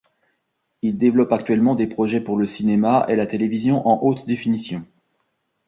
Il développe actuellement des projets pour le cinéma et la télévision en Haute Définition.